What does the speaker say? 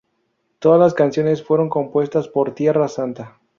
Todas las canciones fueron compuestas por Tierra Santa.